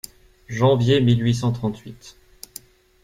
Janvier mille huit cent trente-huit.